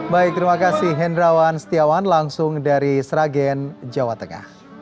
baik terima kasih hendrawan setiawan langsung dari sragen jawa tengah